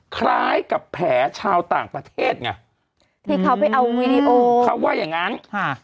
คล้ายกับแผลชาวต่างประเทศไงที่เขาไปเอาวีดีโอเขาว่าอย่างงั้นค่ะ